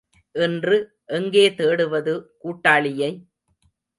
இன்று எங்கே தேடுவது கூட்டாளியை?